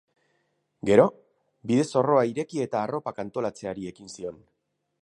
Gero, bide-zorroa ireki eta arropak antolatzeari ekin zion.